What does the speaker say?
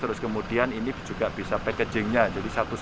terus kemudian ini akses modal oh ini cara marketingnya untuk masuk ke marketplace